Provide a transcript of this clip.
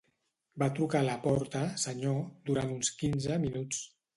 Va trucar a la porta, senyor, durant uns quinze minuts.